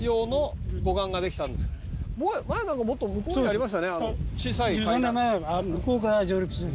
前なんかもっと向こうにありましたよね。